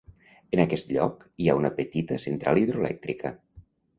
En aqueix lloc, hi ha una petita central hidroelèctrica.